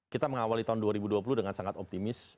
kita mengawali tahun dua ribu dua puluh dengan sangat optimis